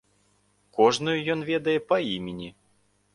Кожную ён ведае па імені.